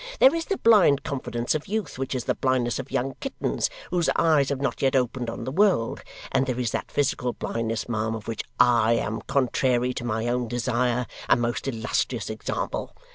There is the blind confidence of youth, which is the blindness of young kittens, whose eyes have not yet opened on the world; and there is that physical blindness, ma'am, of which I am, contrairy to my own desire, a most illustrious example.